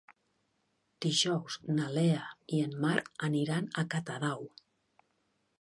Dijous na Lea i en Marc aniran a Catadau.